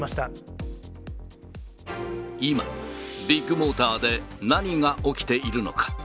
今、ビッグモーターで何が起きているのか。